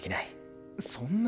そんな！